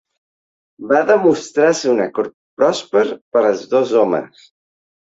Va demostrar ser un acord pròsper per als dos homes.